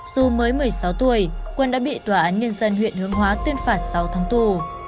một mươi sáu tuổi quân đã bị tòa án nhân dân huyện hương hóa tuyên phạt sáu tháng tù